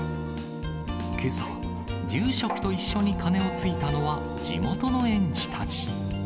けさ、住職と一緒に鐘をついたのは、地元の園児たち。